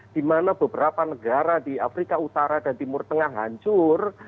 di mana beberapa negara di afrika utara dan timur tengah hancur